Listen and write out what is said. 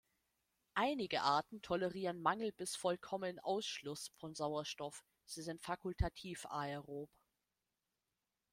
Einige Arten tolerieren Mangel bis vollkommen Ausschluss von Sauerstoff, sie sind fakultativ aerob.